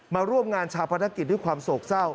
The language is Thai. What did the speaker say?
มาร่วมงานชาวพนักกิจด้วยความโศกเศร้า